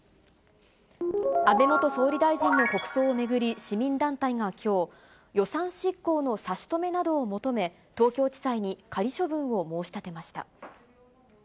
安倍元総理大臣の国葬を巡り、市民団体がきょう、予算執行の差し止めなどを求め、東京地裁に仮処分を申し立てました。